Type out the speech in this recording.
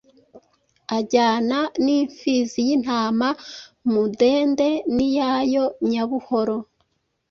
Ajyana n'imfizi y'intama Mudende n'iyayo Nyabuhoro.